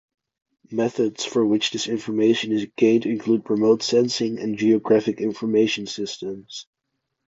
Methods for which this information is gained include remote sensing, and geographic information systems.